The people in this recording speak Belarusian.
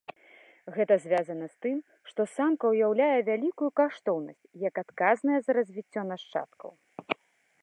Гэта звязана з тым, што самка ўяўляе вялікую каштоўнасць як адказная за развіццё нашчадкаў.